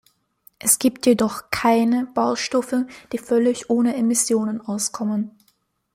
Es gibt jedoch "keine" Baustoffe, die völlig ohne Emissionen auskommen.